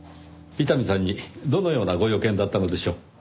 伊丹さんにどのようなご用件だったのでしょう？